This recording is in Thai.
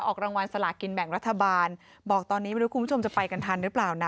ออกรางวัลสลากินแบ่งรัฐบาลบอกตอนนี้ไม่รู้คุณผู้ชมจะไปกันทันหรือเปล่านะ